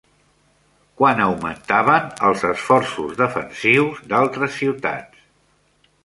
Quan augmentaven els esforços defensius d'altres ciutats?